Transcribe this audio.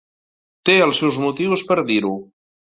Té els seus motius per a dir-ho.